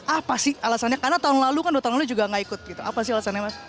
apa sih alasannya karena tahun lalu kan dua tahun lalu juga nggak ikut gitu apa sih alasannya mas